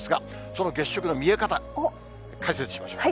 その月食の見え方、解説しましょう。